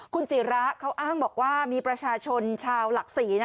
คุณศิระเขาอ้างบอกว่ามีประชาชนชาวหลักศรี